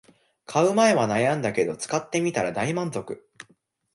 買う前は悩んだけど使ってみたら大満足